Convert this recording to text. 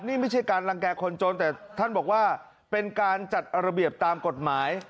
นี่ไม่ใช่การรังแก่คนจนแต่ท่านบอกว่าเป็นการจัดระเบียบตามกฎหมาย